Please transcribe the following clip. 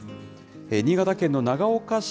新潟県の長岡市。